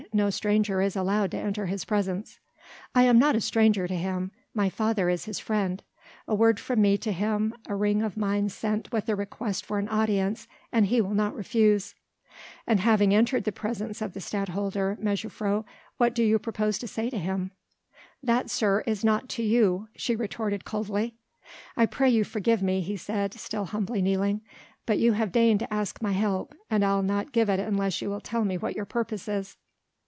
No stranger is allowed to enter his presence." "I am not a stranger to him. My father is his friend; a word from me to him, a ring of mine sent in with a request for an audience and he will not refuse." "And having entered the presence of the Stadtholder, mejuffrouw, what do you propose to say to him?" "That, sir, is naught to you," she retorted coldly. "I pray you forgive me," he said, still humbly kneeling, "but you have deigned to ask my help, and I'll not give it unless you will tell me what your purpose is."